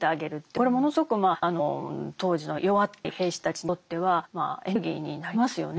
これものすごく当時の弱っている兵士たちにとってはエネルギーになりますよね。